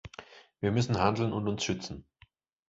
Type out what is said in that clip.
Wir müssen handeln und uns schützen.